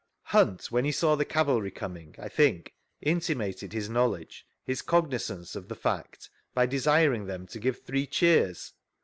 Huntj when he saw the cavalry coming, I think, intimated his knowledge — his cognisance of the fact— by desiring them to give three cheers?